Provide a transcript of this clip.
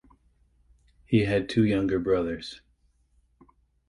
He had two younger brothers.